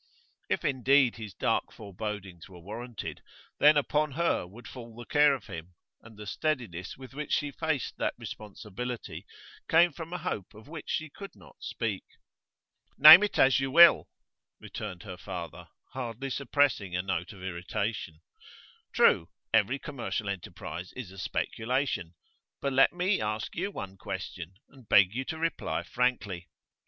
If, indeed, his dark forebodings were warranted, then upon her would fall the care of him, and the steadiness with which she faced that responsibility came from a hope of which she could not speak. 'Name it as you will,' returned her father, hardly suppressing a note of irritation. 'True, every commercial enterprise is a speculation. But let me ask you one question, and beg you to reply frankly.